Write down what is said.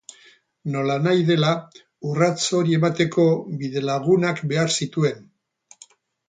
Nolanahi dela, urrats hori emateko, bidelagunak behar zituen.